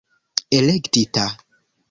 elektita